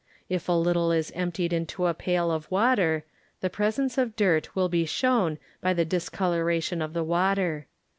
If a little is emptied into a pail of water, the presence of dirt will be shown by the discoloration of the water.